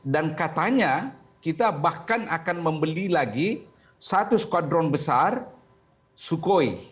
dan katanya kita bahkan akan membeli lagi satu skuadron besar sukhoi